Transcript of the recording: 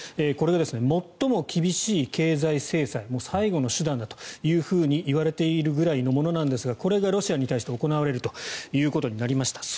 これは最も厳しい経済制裁最後の手段だというふうにいわれているぐらいのものですがこれがロシアに対して行われるということになりました。